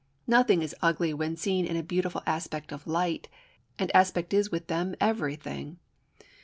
Nothing is ugly when seen in a beautiful aspect of light, and aspect is with them everything.